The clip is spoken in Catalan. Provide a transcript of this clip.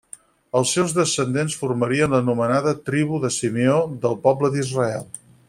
Els seus descendents formarien l'anomenada Tribu de Simeó del poble d'Israel.